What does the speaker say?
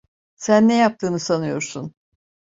Sen ne yaptığını sanıyorsun?